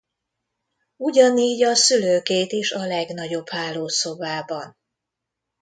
Ugyanígy a szülőkét is a legnagyobb hálószobában.